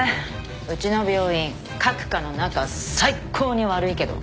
うちの病院各科の仲最高に悪いけど